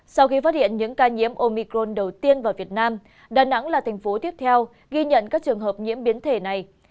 sau khi phát hiện những ca nhiễm omicron đầu tiên vào việt nam đà nẵng là thành phố tiếp theo ghi nhận các trường hợp nhiễm biến thể này